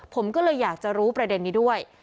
ผมก็เลยอยากจะรู้ประเด็นนี้ด้วย